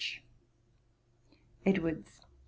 EDWARDS.